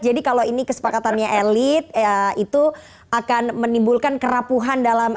jadi kalau ini kesepakatannya elit itu akan menimbulkan kerapuhan dalam